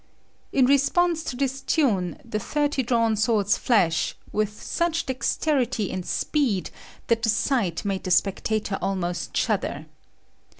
In response to this tune, the thirty drawn swords flash, with such dexterity and speed that the sight made the spectator almost shudder.